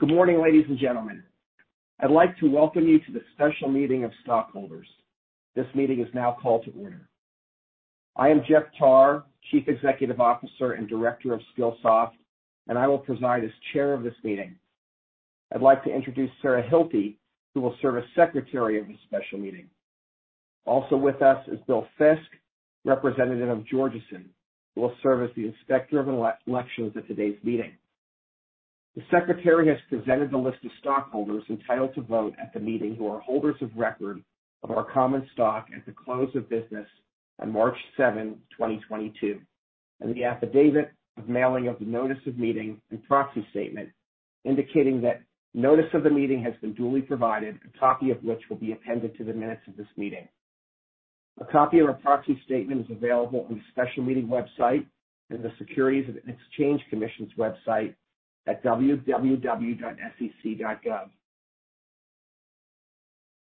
Good morning, ladies and gentlemen. I'd like to welcome you to the special meeting of stockholders. This meeting is now called to order. I am Jeff Tarr, Chief Executive Officer and Director of Skillsoft, and I will preside as chair of this meeting. I'd like to introduce Sarah Hilty, who will serve as secretary of this special meeting. Also with us is Bill Fiske, representative of Georgeson, who will serve as the Inspector of Elections at today's meeting. The secretary has presented the list of stockholders entitled to vote at the meeting who are holders of record of our common stock at the close of business on March 7, 2022, and the affidavit of mailing of the notice of meeting, and proxy statement, indicating that notice of the meeting has been duly provided, a copy of which will be appended to the minutes of this meeting. A copy of our proxy statement is available on the special meeting website and the Securities and Exchange Commission's website at www.sec.gov.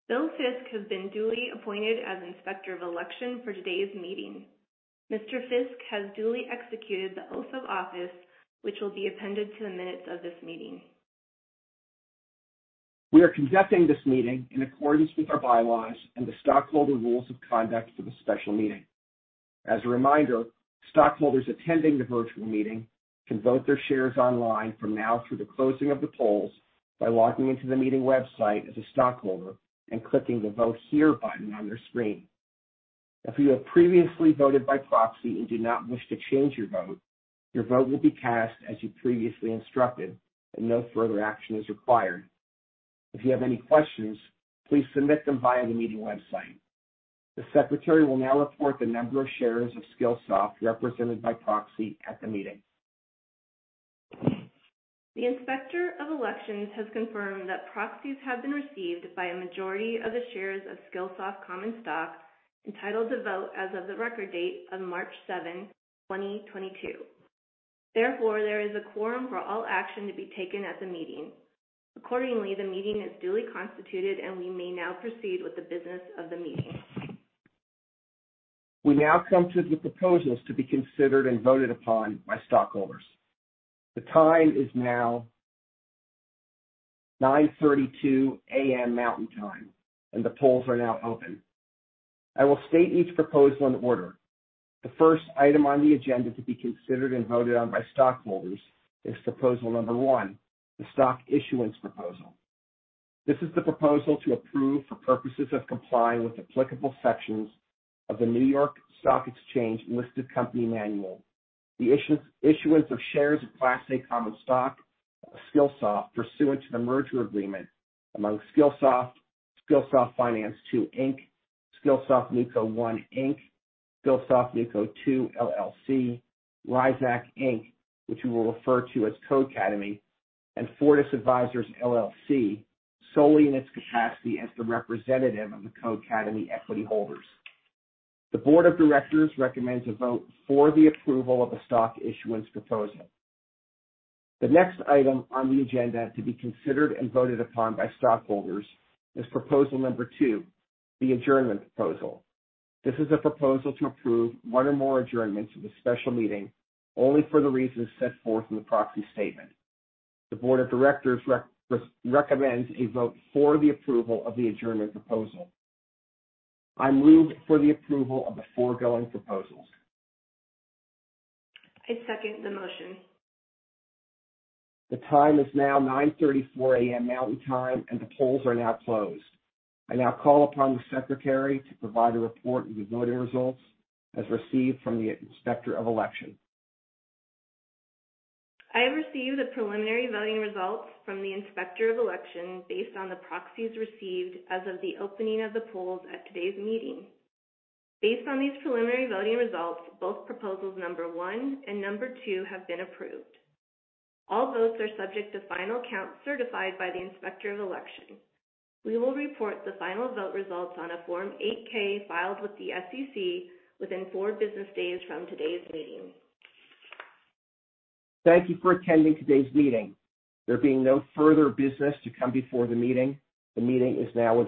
Bill Fiske has been duly appointed as Inspector of Election for today's meeting. Mr. Fiske has duly executed the oath of office, which will be appended to the minutes of this meeting. We are conducting this meeting in accordance with our bylaws and the stockholder rules of conduct for the special meeting. As a reminder, stockholders attending the virtual meeting can vote their shares online from now through the closing of the polls by logging into the meeting website as a stockholder and clicking the Vote Here button on your screen. If you have previously voted by proxy, and do not wish to change your vote, your vote will be cast as you previously instructed, and no further action is required. If you have any questions, please submit them via the meeting website. The secretary will now report the number of shares of Skillsoft represented by proxy at the meeting. The Inspector of Elections has confirmed that proxies have been received by a majority of the shares of Skillsoft common stock entitled to vote as of the record date of March 7, 2022. Therefore, there is a quorum for all action to be taken at the meeting. Accordingly, the meeting is duly constituted, and we may now proceed with the business of the meeting. We now come to the proposals to be considered, and voted upon by stockholders. The time is now 9:32 A.M. Mountain Time, and the polls are now open. I will state each proposal in order. The first item on the agenda to be considered and voted on by stockholders is proposal number one, the stock issuance proposal. This is the proposal to approve, for purposes of complying with applicable sections of the New York Stock Exchange Listed Company Manual, the issuance of shares of Class A common stock of Skillsoft pursuant to the merger agreement among Skillsoft Finance Two Inc., Skillsoft NewCo One Inc., Skillsoft NewCo Two LLC, Ryzac Inc., which we will refer to as Codecademy, and Fortis Advisors LLC, solely in its capacity as the representative of the Codecademy equity holders. The board of directors recommends a vote for the approval of the stock issuance proposal. The next item on the agenda to be considered, and voted upon by stockholders is proposal number two, the adjournment proposal. This is a proposal to approve one or more adjournments of the special meeting only for the reasons set forth in the proxy statement. The Board of Directors recommends a vote for the approval of the adjournment proposal. I move for the approval of the foregoing proposals. I second the motion. The time is now 9:34 A.M. Mountain Time, and the polls are now closed. I now call upon the secretary to provide a report of the voting results as received from the Inspector of Elections. I have received the preliminary voting results from the Inspector of Election based on the proxies received as of the opening of the polls at today's meeting. Based on these preliminary voting results, both proposals number one and number two have been approved. All votes are subject to final count certified by the Inspector of Election. We will report the final vote results on a Form 8-K filed with the SEC within four business days from today's meeting. Thank you for attending today's meeting. There being no further business to come before the meeting, the meeting is now adjourned.